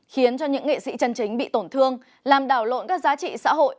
khiến cho những nghệ sĩ chân chính bị tổn thương làm đảo lộn các giá trị xã hội